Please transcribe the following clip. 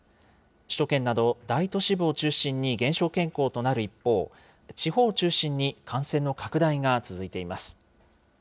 首都圏など大都市部を中心に減少傾向となる一方、地方を中心に感染の拡大が続いています。